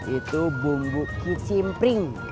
itu bumbu kicim pring